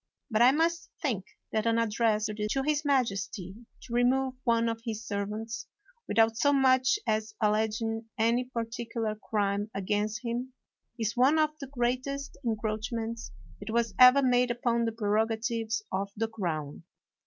But I must think that an address to his majesty to remove one of his servants, without so much as alleging any particular crime against him, is one of the greatest encroachments that was ever made upon the prerogatives of the crown.